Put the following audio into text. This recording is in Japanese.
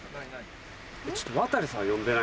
ちょっと。